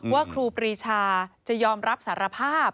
ครูปรีชาจะยอมรับสารภาพ